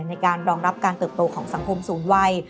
ในการรองรับการเติบโตของสังคมสูงวัย